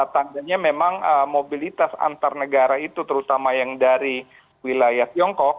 tandanya memang mobilitas antar negara itu terutama yang dari wilayah tiongkok